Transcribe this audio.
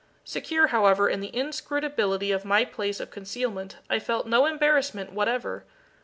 Secure, however, in the inscrutability of my place of concealment, I felt no embarrassment whatever.